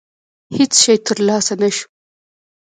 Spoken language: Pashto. هېڅ شی ترلاسه نه شو.